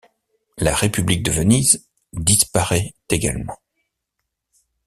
La république de Venise disparaît également.